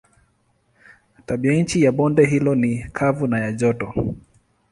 Tabianchi ya bonde hilo ni kavu na ya joto.